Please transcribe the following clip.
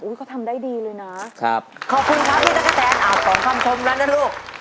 เขาทำได้ดีเลยนะครับขอบคุณครับพี่ตะกะแตนอ่านของคำชมแล้วนะลูก